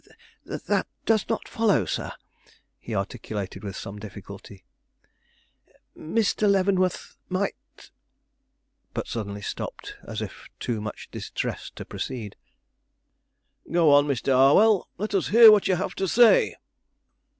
"That does not follow, sir," he articulated with some difficulty. "Mr. Leavenworth might " but suddenly stopped, as if too much distressed to proceed. "Go on, Mr. Harwell, let us hear what you have to say."